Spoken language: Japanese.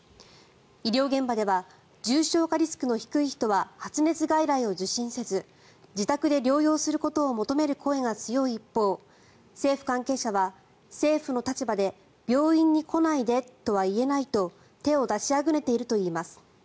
医療現場では重症化リスクの低い人は発熱外来を受診せず自宅で療養することを求める声が強い一方政府関係者は政府の立場で病院に来ないでとは言えないと手を出しあぐねているといいます。